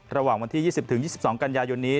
ระหว่างวันที่๒๐๒๒กันยายนนี้